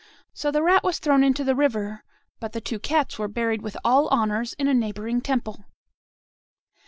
So the rat was thrown into the river; but the two cats were buried with all honours in a neighbouring temple."